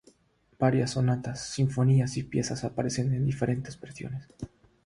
Varias sonatas, sinfonías y piezas aparecen en diferentes versiones.